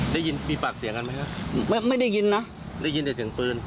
ได้ยินมีปากเสียงกันไหมครับไม่ไม่ได้ยินนะได้ยินแต่เสียงปืน